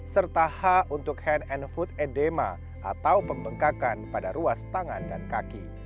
serta h untuk hand and food edema atau pembengkakan pada ruas tangan dan kaki